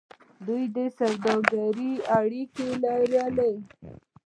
دوی د سوداګرۍ اړیکې لرلې.